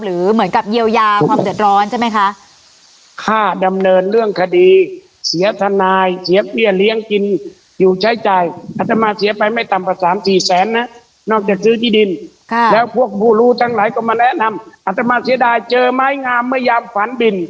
หรือเหมือนกับเยียวยาความเกิดร้อนใช่ไหมคะ